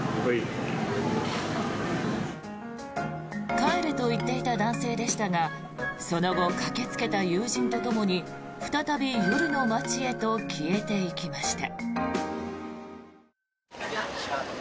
帰ると言っていた男性でしたがその後、駆けつけた友人とともに再び夜の街へと消えていきました。